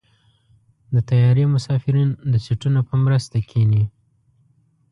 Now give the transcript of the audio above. د طیارې مسافرین د سیټونو په مرسته کېني.